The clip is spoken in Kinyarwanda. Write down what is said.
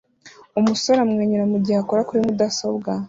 Umusore amwenyura mugihe akora kuri mudasobwa